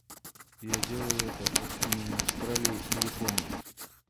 Я делаю это от имени Австралии и Японии.